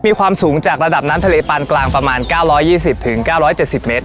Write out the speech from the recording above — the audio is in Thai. มีความสูงจากระดับน้ำทะเลปานกลางประมาณ๙๒๐๙๗๐เมตร